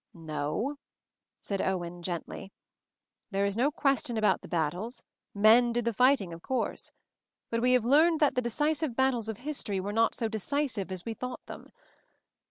"No," said Owen gently, "There is no question about the battles — men did the fighting, of course. But we have learned that 'the decisive battles of history' were not so decisive as we thought them.